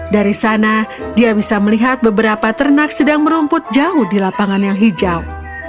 dari sana dia bisa melihat beberapa ternak sedang merumput jauh di lapangan yang hijau